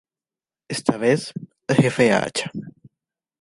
Esta vez, el jefe era Acha.